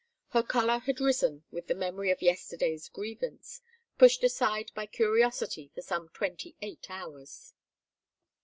Her color had risen with the memory of yesterday's grievance, pushed aside by curiosity for some twenty eight hours.